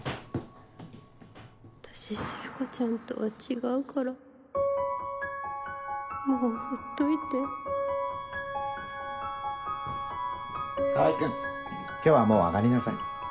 私聖子ちゃんとは違うからもうほっといて川合君今日はもう上がりなさい。